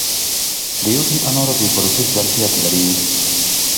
د یو ټن انارو د پروسس ظرفیت لري